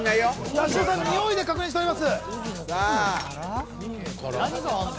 八代さん、においで確認しております。